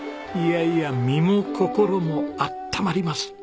いやいや身も心も温まります。